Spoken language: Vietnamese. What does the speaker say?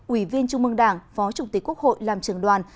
ủy viên trung mương đảng phó chủ tịch quốc hội làm trưởng đoàn